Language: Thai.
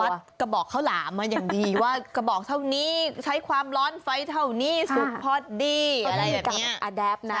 กระบอกข้าวหลามมาอย่างดีว่ากระบอกเท่านี้ใช้ความร้อนไฟเท่านี้สุกพอดีอะไรกับอาแดฟนะ